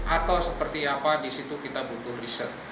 atau seperti apa di situ kita butuh riset